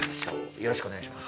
よろしくお願いします。